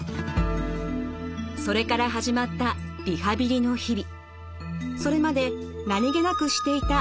それから始まったリハビリの日々。